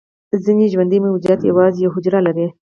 ځینې ژوندي موجودات یوازې یوه حجره لري